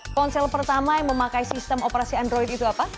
ponsel pertama yang memakai sistem operasi android itu apa